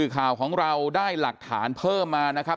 ข่าวของเราได้หลักฐานเพิ่มมานะครับ